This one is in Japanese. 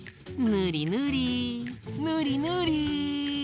ぬりぬりぬりぬり！